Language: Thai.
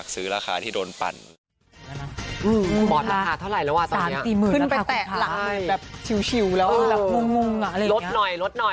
ก็เพราะว่าเราได้เข้าฉากด้วยกันตลอด